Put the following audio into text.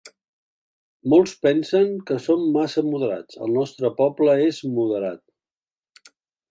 Molts pensen que som massa moderats; el nostre poble és moderat.